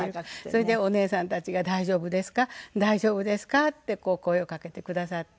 それでお姉さんたちが「大丈夫ですか？大丈夫ですか？」って声をかけてくださって。